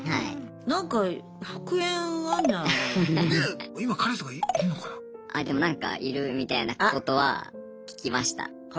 なんかでもなんかいるみたいなことは聞きました。